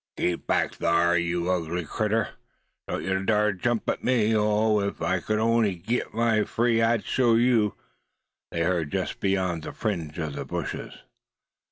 "Keep back, thar, you ugly critter! Don't you dar jump at me! Oh! if I could on'y git free, I'd show you!" they heard just beyond the fringe of bushes.